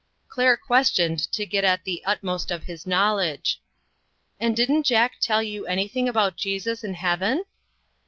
Claire questioned to get at the utmost of his knowledge :" And didn't Jack tell you anything about Jesus and Heaven?"